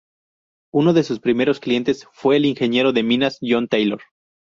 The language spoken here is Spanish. Uno de sus primeros clientes fue el ingeniero de minas John Taylor.